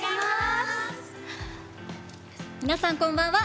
皆さん、こんばんは。